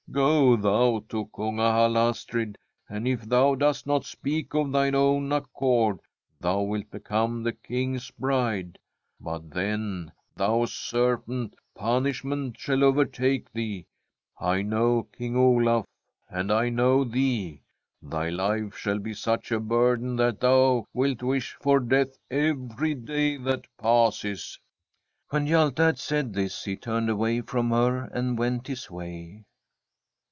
Go thou to Kungahalla, Astrid ; and if thou dost not speak of thine own accord, thou wilt become the King's bride. But then, thou serpent, punish ment shall overtake thee! I know King Olaf, and I know thee. Thy life shall be such a bur den that thou wilt wish for death every day that passes.' When Hjalte had said this he turned away from her and went his way.